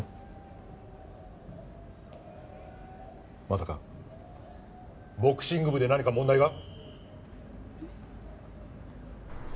まさかボクシング部で何か問題が？